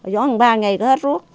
giống ba ngày có hết ruốc